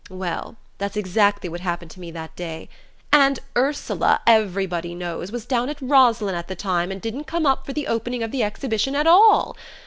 Well... that's exactly what happened to me that day... and Ursula, everybody knows, was down at Roslyn at the time, and didn't come up for the opening of the exhibition at all.